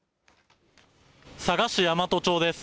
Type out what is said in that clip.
佐賀市大和町です。